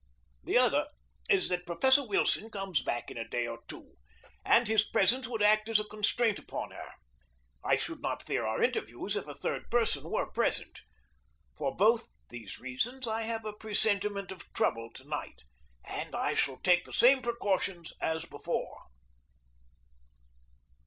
The other is that Professor Wilson comes back in a day or two, and his presence would act as a constraint upon her. I should not fear our interviews if a third person were present. For both these reasons I have a presentiment of trouble to night, and I shall take the same precautions as before.